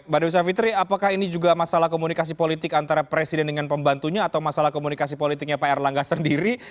mbak dewi savitri apakah ini juga masalah komunikasi politik antara presiden dengan pembantunya atau masalah komunikasi politiknya pak erlangga sendiri